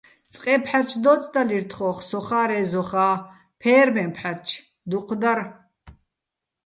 წყე ფჰ̦არჩ დო́წდალირ თხოხ, სოხა́ რეზოხა́, ფე́რმეჼ ფჰ̦არჩ, დუჴ დარ.